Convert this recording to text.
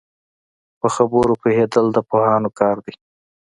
په خبرو پوهېدل د پوهانو کار دی